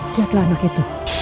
lihatlah anak itu